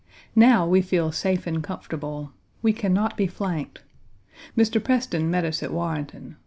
Now we feel safe and comfortable. We can not be flanked. Mr. Preston met us at Warrenton.